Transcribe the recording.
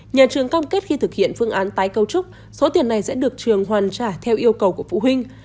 nhà trường cam kết khi thực hiện phương án tái cấu trúc số tiền này sẽ được trường hoàn trả theo yêu cầu của phụ huynh